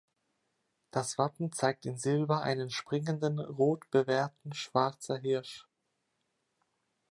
Das Wappen zeigt in Silber einen springenden rot bewehrten schwarzer Hirsch.